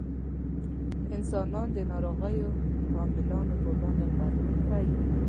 انسانان د ناروغیو حاملانو په وړاندې غبرګون ښيي.